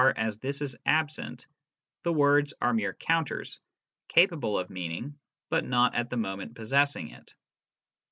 as this is absent, the words are mere counters, capable of meaning, but not at the moment possessing it.